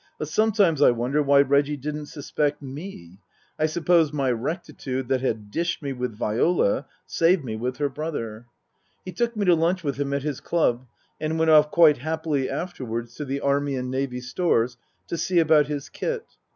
But sometimes I wonder why Reggie didn't suspect me. I suppose my rectitude that had dished me with Viola saved me with her brother. He took me to lunch with him at his club, and went off quite happily afterwards to the Army and Navy Stores to see about his kit.